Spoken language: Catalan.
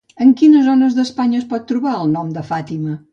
En quines zones d'Espanya es pot trobar el nom de Fátima?